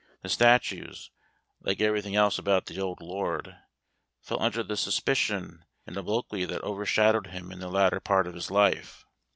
The statues, like everything else about the old Lord, fell under the suspicion and obloquy that overshadowed him in the latter part of his life.